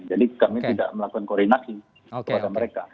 jadi kami tidak melakukan koordinasi kepada mereka